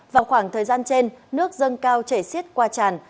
vào khoảng thời gian trên nước dâng cao chảy xiết qua tràn